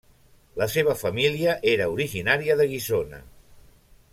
La seva família era originària de Guissona.